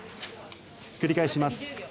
繰り返します。